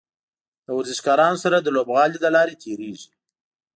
د ورزشکارانو سره د لوبغالي له لارې تیریږي.